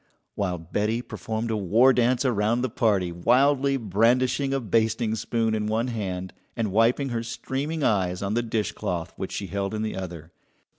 while Betty performed a war dance around the party, wildly brandishing a basting spoon in one hand and wiping her streaming eyes on the dishcloth which she held in the other.